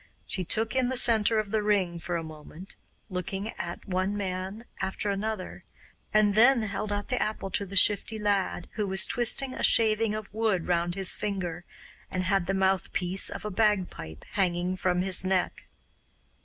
She stood in the centre of the ring for a moment, looking at one man after another, and then held out the apple to the Shifty Lad, who was twisting a shaving of wood round his finger, and had the mouthpiece of a bagpipe hanging from his neck.